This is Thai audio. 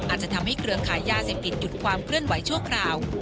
อาจจะทำให้เครือขายยาเสพติดหยุดความเคลื่อนไหวชั่วคราว